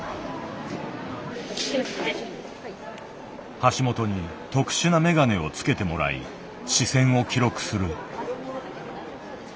橋本に特殊なメガネをつけてもらい視線を記録する。